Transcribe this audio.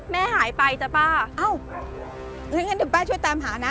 แม่หายไปจ๊ะป้าอ้าวอย่างงั้นเดี๋ยวป้ายช่วยตามหาน่ะ